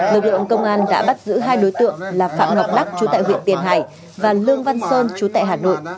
lực lượng công an đã bắt giữ hai đối tượng là phạm ngọc đắc chú tại huyện tiền hải và lương văn sơn chú tại hà nội